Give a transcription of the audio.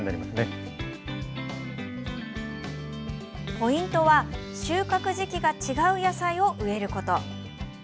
ポイントは、収穫時期が違う野菜を植えること。